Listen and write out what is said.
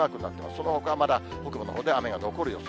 そのほかはまだ、北部のほうでは雨が残る予想。